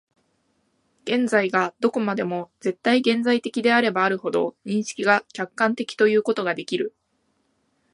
現在がどこまでも絶対現在的であればあるほど、認識が客観的ということができる。